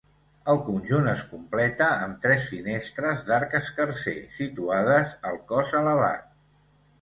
El conjunt es completa amb tres finestres d'arc escarser, situades al cos elevat.